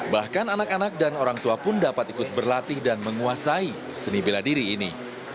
bahkan anak anak dan orang tua pun dapat ikut berlatih dan menguasai seni bela diri ini